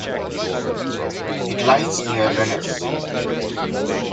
It lies near Rennes.